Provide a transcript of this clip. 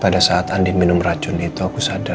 pada saat andin minum racun itu aku sadar